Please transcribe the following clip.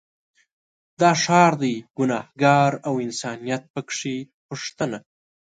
دا ښار دی ګنهار او انسانیت په کې پوښتنه